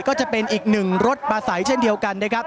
ก็จะเป็นอีกหนึ่งรถปลาใสเช่นเดียวกันนะครับ